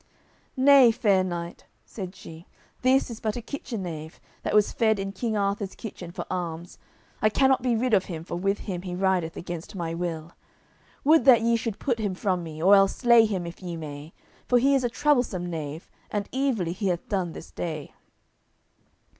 "Nay, fair knight," said she, "this is but a kitchen knave, that was fed in King Arthur's kitchen for alms. I cannot be rid of him, for with me he rideth against my will. Would that ye should put him from me, or else slay him, if ye may, for he is a troublesome knave, and evilly he hath done this day."